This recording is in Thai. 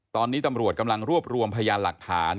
ตอนนี้ตำรวจกำลังรวบรวมพยานหลักฐาน